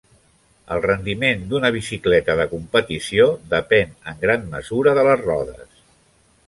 El rendiment d'una bicicleta de competició depèn en gran mesura de les rodes.